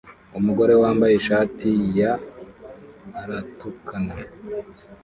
Umugore wambaye ishati year aratukana